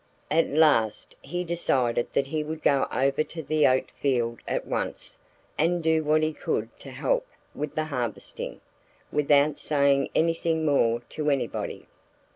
At last he decided that he would go over to the oat field at once and do what he could to help with the harvesting without saying anything more to anybody.